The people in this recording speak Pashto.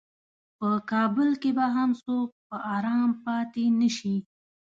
په کابل کې به هم څوک په ارام پاتې نشي.